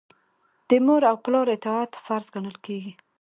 د مور او پلار اطاعت فرض ګڼل کیږي.